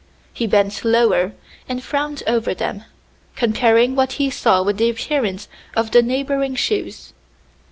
He bent lower and frowned over them, comparing what he saw with the appearance of the neighboring shoes.